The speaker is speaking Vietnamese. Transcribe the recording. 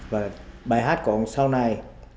và bài hát của ông sau này